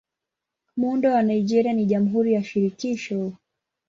Muundo wa Nigeria ni Jamhuri ya Shirikisho.